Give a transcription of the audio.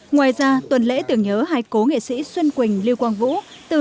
ngoài ra tuần lễ tưởng nhớ hai cố nghệ sĩ xuân quỳnh lưu quang vũ